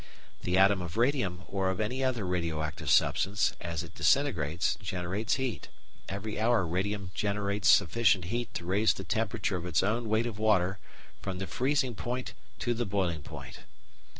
The atom of radium or of any other radio active substance, as it disintegrates, generates heat. "Every hour radium generates sufficient heat to raise the temperature of its own weight of water, from the freezing point to the boiling point."